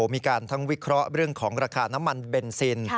มีการทั้งวิเคราะห์เรื่องของราคาน้ำมันเบนซิน